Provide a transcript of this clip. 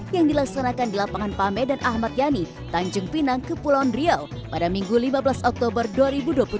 yang dilaksanakan di lapangan pame dan ahmad yani tanjung pinang kepulauan riau pada minggu lima belas oktober dua ribu dua puluh tiga